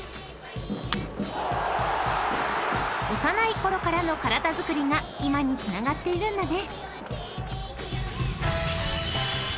［幼いころからの体作りが今につながっているんだね］